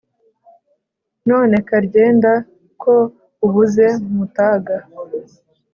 None Karyenda ko ubuze Mutaga,